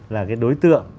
là cái đối tượng